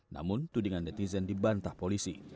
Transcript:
namun tudingan netizen dibantah polisi